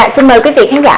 xin mời quý vị khán giả